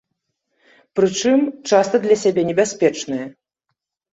Прычым, часта для сябе небяспечнае.